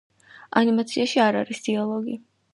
ანიმაციაში არ არის დიალოგი.